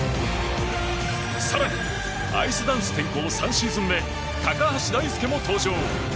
更に、アイスダンス転向３シーズン目、高橋大輔も登場！